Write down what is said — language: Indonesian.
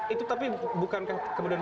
itu tapi bukan kemudian